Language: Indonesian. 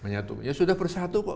ya sudah bersatu pak